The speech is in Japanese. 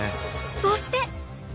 そして。